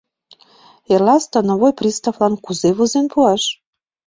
Эрла становой приставлан кузе возен пуаш?